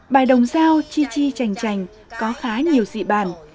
bài đồng sao chi chi chành chành có khá nhiều dị bản